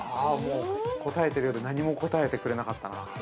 ◆答えているようで、何も答えてくれなかったな。